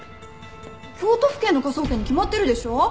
京都府警の科捜研に決まってるでしょ！